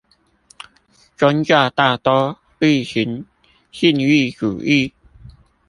宗教大都厲行禁欲主義